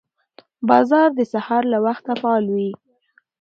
بازار د سهار له وخته فعال وي